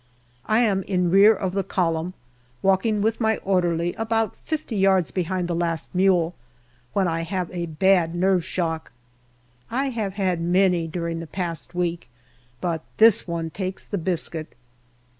I am in rear of the column, walking with my orderly about fifty yards behind the last mule, when I have a bad nerve shock. I have had many during the past week, but this one takes the biscuit.